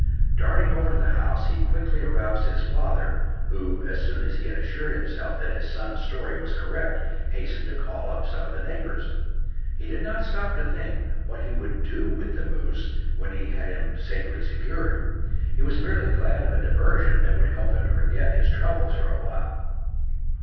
Darting over to the house he quickly aroused his father, who, as soon as he had assured himself that his son's story was correct, hastened to call up some of the neighbours. He did not stop to think what he would do with the moose when he had him safely secured. He was merely glad of a diversion that would help him to forget his troubles for a while.